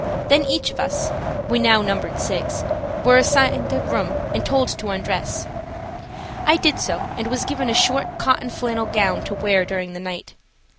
Then each of us–we now numbered six–were assigned a room and told to undress. I did so, and was given a short, cotton flannel gown to wear during the night.